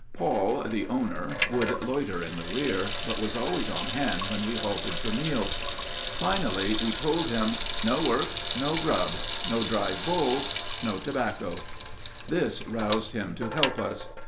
Paul, the owner, would loiter in the rear, but was always on hand when we halted for meals. Finally we told him, "No work, no grub; no drive bulls, no tobacco." This roused him to help us.